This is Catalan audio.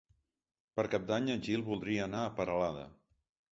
Per Cap d'Any en Gil voldria anar a Peralada.